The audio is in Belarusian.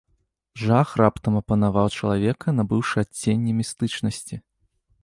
Жах раптам апанаваў чалавека, набыўшы адценні містычнасці.